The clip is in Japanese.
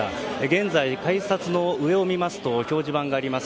現在、改札の上を見ますと表示板があります。